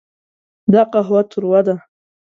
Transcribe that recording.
دا قهوه تروه ده.